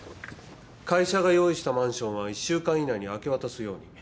会社が用意したマンションは１週間以内に明け渡すように。